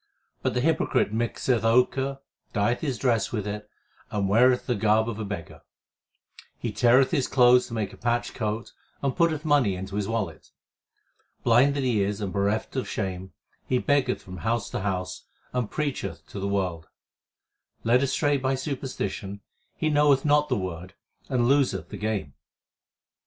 But the hypocrite mixeth ochre, dyeth his dress with it, and weareth the garb of a beggar ; He teareth his clothes to make a patched coat, and putteth money into his wallet ; Blind that he is and bereft of shame, he beggeth from house to house and preacheth to the world ; Led astray by superstition he knoweth not the Word and loseth the game.